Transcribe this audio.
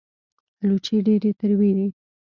الوچې ډېرې تروې دي